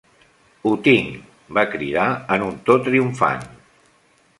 "Ho tinc!", va cridar en un to triomfant.